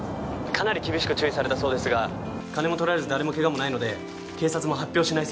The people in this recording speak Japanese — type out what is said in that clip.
かなり厳しく注意されたそうですが金も取られず誰も怪我もないので警察も発表しないそうです。